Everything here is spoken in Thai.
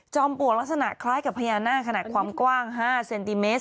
ปลวกลักษณะคล้ายกับพญานาคขนาดความกว้าง๕เซนติเมตร